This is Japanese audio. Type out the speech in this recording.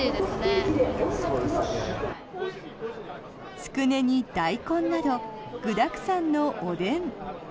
つくねに大根など具だくさんのおでん。